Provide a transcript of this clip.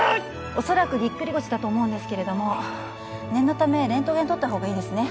恐らくぎっくり腰だと思うんですけれども念のためレントゲン撮ったほうがいいですね